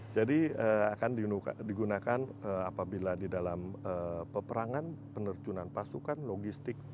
jadi akan digunakan apabila di dalam peperangan penerjunan pasukan logistik